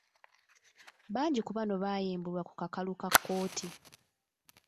Bangi ku bano baayimbulwa ku kakalu ka kkooti.